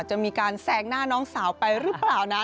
จะมีการแซงหน้าน้องสาวไปหรือเปล่านะ